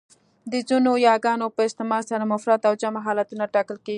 د ځینو یاګانو په استعمال سره مفرد و جمع حالتونه ټاکل کېږي.